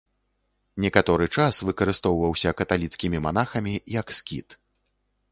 Некаторы час выкарыстоўваўся каталіцкімі манахамі як скіт.